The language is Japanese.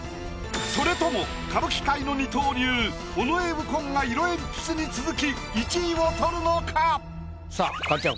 それとも歌舞伎界の二刀流尾上右近が色鉛筆に続き１位を取るのか⁉さあかっちゃん